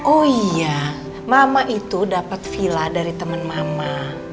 oh iya mama itu dapet villa dari temen mama